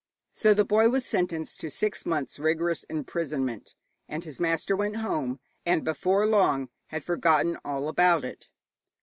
So the boy was sentenced to six months' rigorous imprisonment; and his master went home, and before long had forgotten all about it.